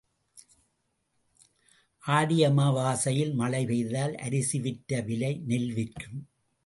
ஆடி அமாவாசையில் மழை பெய்தால் அரிசி விற்ற விலை நெல் விற்கும்.